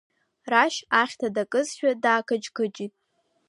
Рашь ахьҭа дакызшәа даақыџьқыџьит.